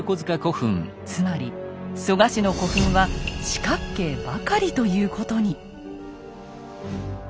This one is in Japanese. つまり蘇我氏の古墳は四角形ばかりということに。